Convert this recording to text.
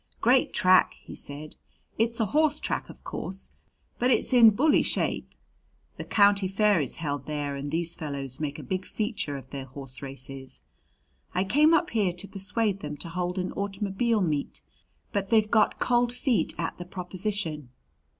"Great track!" he said. "It's a horse track, of course, but it's in bully shape the county fair is held there and these fellows make a big feature of their horse races. I came up here to persuade them to hold an automobile meet, but they've got cold feet an the proposition."